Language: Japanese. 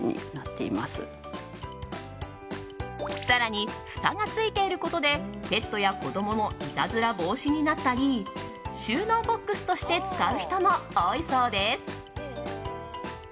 更に、ふたが付いていることでペットや子供のいたずら防止になったり収納ボックスとして使う人も多いそうです。